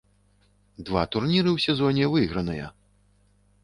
Два турніры ў сезоне выйграныя.